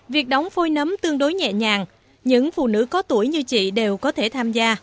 việc đóng phôi nấm tương đối nhẹ nhàng những phụ nữ có tuổi như chị đều có thể tham gia